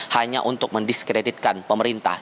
hanya untuk mendiskreditkan pemerintah